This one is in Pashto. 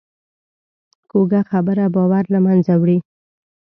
کوږه خبره باور له منځه وړي